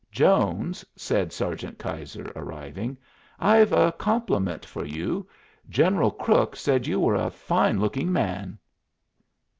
"Jones," said Sergeant Keyser, arriving, "I've a compliment for you. General Crook said you were a fine looking man."